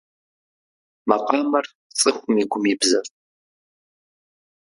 Макъамэр цӏыхум и гум и бзэщ.